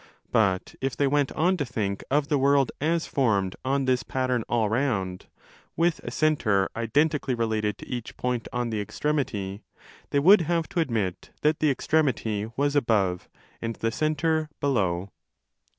But if they went on to think of the world as formed on this pattern all round, with a centre identically related to each point on the extremity, they would have to admit that the extremity was above and the centre below.)